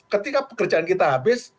ketika pekerjaan kita habis